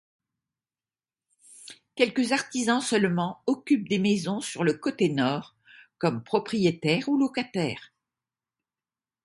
Quelques artisans seulement occupent des maisons sur le côté nord, comme propriétaires ou locataires.